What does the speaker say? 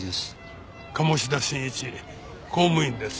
鴨志田新一公務員です。